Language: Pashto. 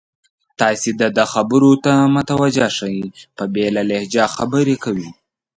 تاسې د ده خبرو ته متوجه شئ، په بېله لهجه خبرې کوي.